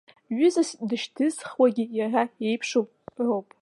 Ҩызас дышьҭызхуагьы иара иеиԥшу роуп.